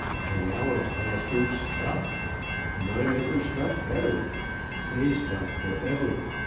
And our plasters stuck! None ever stuck better. They stuck forever.